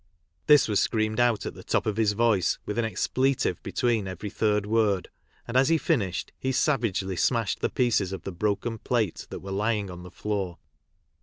This was screamed out at the top of his voice with an expletive between every third word, and as he finished he savagely smashed the pieces of the broken plate that were lying on the floor.